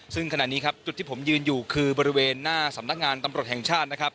ซึ่งขนาดนี้จุดที่ผมยืนอยู่คือบริเวณหน้าสำนักงานตำรวจแห่งชาติ